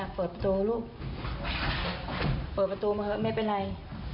โจมตี